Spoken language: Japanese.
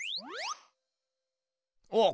おっ！